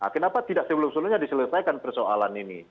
kenapa tidak sebelum sebelumnya diselesaikan persoalan ini